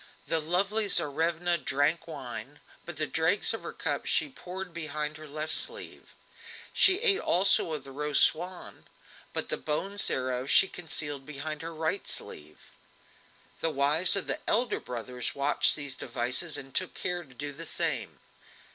The lovely Tsarevna drank wine, but the dregs of her cup she poured behind her left sleeve; she ate also of the roast swan, but the bones thereof she concealed behind her right sleeve. The wives of the elder brothers watched these devices, and took care to do the same.